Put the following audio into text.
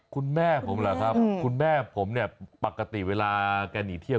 คุณแม่ผมเหรอครับคุณแม่ผมเนี่ยปกติเวลาแกหนีเที่ยว